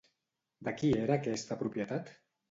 De qui era aquesta propietat?